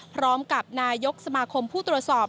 พร้อมกับนายกสมาคมผู้ตรวจสอบ